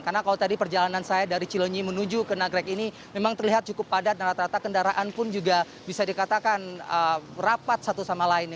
karena kalau tadi perjalanan saya dari cilonyi menuju ke nagrek ini memang terlihat cukup padat dan rata rata kendaraan pun juga bisa dikatakan rapat satu sama lain